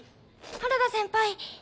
原田先輩。